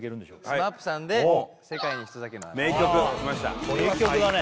ＳＭＡＰさんで「世界に一つだけの花」・名曲名曲だね